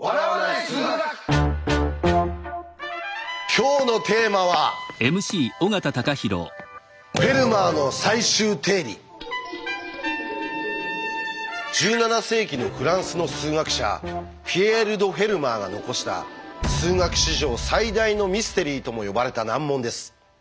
今日のテーマは１７世紀のフランスの数学者ピエール・ド・フェルマーが残した数学史上最大のミステリーとも呼ばれた難問です。